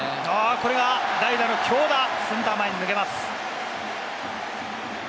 これは代打の京田、センター前に抜けます。